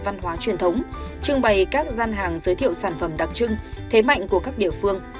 văn hóa truyền thống trưng bày các gian hàng giới thiệu sản phẩm đặc trưng thế mạnh của các địa phương